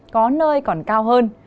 có nơi còn cao hơn